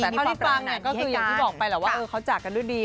แต่ข้อที่ฟังก็คืออย่างที่บอกไปแล้วว่าเขาจากกันด้วยดี